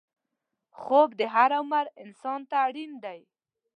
خوب د هر عمر انسان ته اړین دی